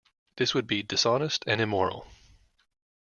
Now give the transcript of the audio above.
This would be dishonest and immoral.